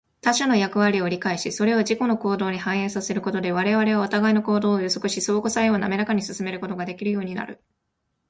他者の役割を理解し、それを自己の行動に反映させることで、我々はお互いの行動を予測し、相互作用をなめらかに進めることができるようになる。